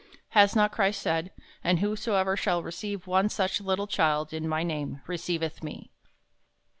Has not Christ said, "And whosoever shall receive one such little child in my name, receiveth me."